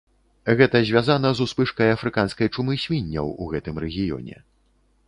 Гэта звязана з успышкай афрыканскай чумы свінняў у гэтым рэгіёне.